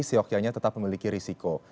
sioknya tetap memiliki risiko